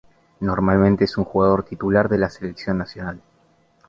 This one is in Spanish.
Normalmente es un jugador titular de la Selección nacional.